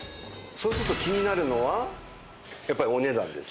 そうすると気になるのはやっぱりお値段です。